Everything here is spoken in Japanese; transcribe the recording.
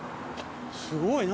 すごい何？